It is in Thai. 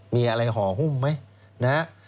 มีอะไรหอหุ้มไหม